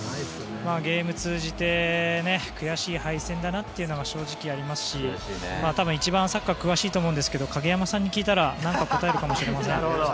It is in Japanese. ゲームを通じて悔しい敗戦だなというのが正直ありますし一番サッカーに詳しいと思うんですが影山さんに聞いたら何か答えるかもしれません。